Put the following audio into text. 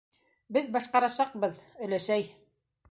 - Беҙ башҡарасаҡбыҙ, өләсәй.